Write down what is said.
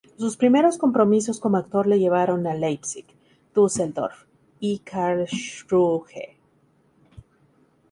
Sus primeros compromisos como actor le llevaron a Leipzig, Düsseldorf y Karlsruhe.